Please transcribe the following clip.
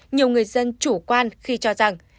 nhiều người dân chủ quan khi cho rằng